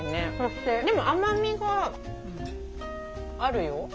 でも甘みがあるよ。